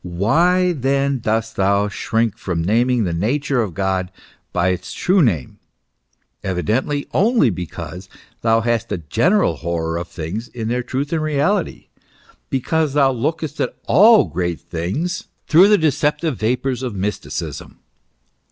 Why then dost thou shrink from naming the nature of God by its true name ? Evidently, only because thou hast a general horror of things in their truth and reality ; because thou lookest at all things through the deceptive vapours of mysticism.